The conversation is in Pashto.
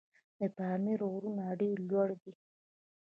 د پامیر غرونه ډېر لوړ دي.